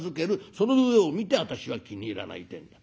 その上を見て私は気に入らないってえんだ。